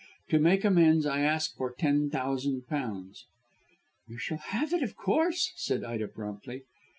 To make amends I ask for ten thousand pounds." "You shall have it, of course,' said Ida promptly.